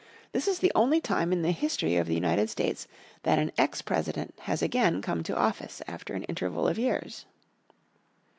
This is the only time in the history of the United States that an ex President has again come to office after an interval of years.